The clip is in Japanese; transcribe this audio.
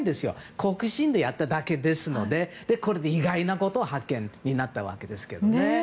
好奇心でやっただけですので意外なことの発見になったわけですけどね。